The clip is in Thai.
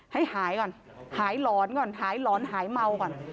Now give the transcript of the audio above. ให้หายก่อนหายหลอนก่อนหายหลอนหายเมาก่อน